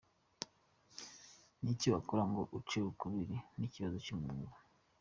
Ni iki wakora ngo uce ukubiri n’ikibazo cy’umwuma?.